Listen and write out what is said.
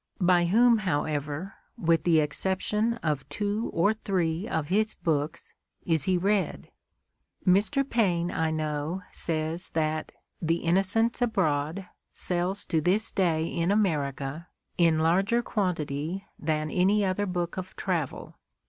By whom, however, with the exception of two or three of his books, is he read? Mr. Paine, I know, says that "The Innocents Abroad" seUs to this day in America in larger quantity than any other book of travel.